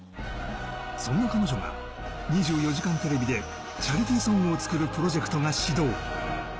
そんな彼女が『２４時間テレビ』でチャリティーソングを作るプロジェクトが始動。